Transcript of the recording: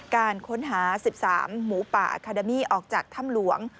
การค้นหา๑๓หมูป่าอาคาเดมี่ออกจากถ้ำหลวง